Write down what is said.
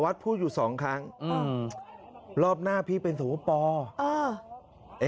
สวัสดิ์พูดอยู่สองครั้งอืมรอบหน้าพี่เป็นสวพปอร์เออ